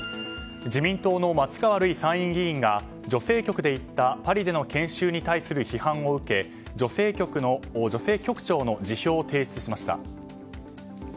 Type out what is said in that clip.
自民党の松川るい参議院議員が女性局で行ったパリでの研修に対する批判を受け女性局長の辞表を提出しました。